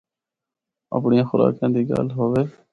اپڑیاں خوراکاں دی گل ہوے۔